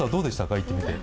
行ってみて。